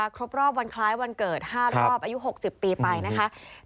ครบรอบวันคล้ายวันเกิด๕รอบอายุ๖๐ปีไปนะคะ